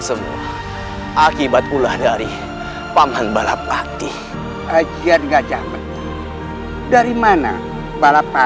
semua akibat pula dari paman balapahaktih ajian gajah meryem dari mana balapahaktih